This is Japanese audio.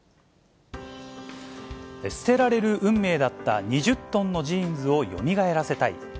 捨てられる運命だった２０トンのジーンズをよみがえらせたい。